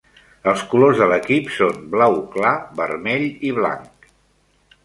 Els colors de l'equip són blau clar, vermell i blanc.